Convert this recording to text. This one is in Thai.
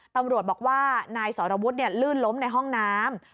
ตำรวจบอกว่านายสรวุฒิลื่นล้มในห้องน้ำ